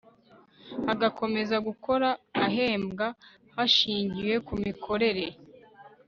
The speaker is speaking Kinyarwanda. agakomeza gukora ahembwa hashingiwe ku mikorere